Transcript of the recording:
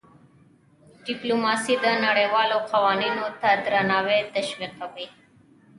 ډيپلوماسي د نړیوالو قوانینو ته درناوی تشویقوي.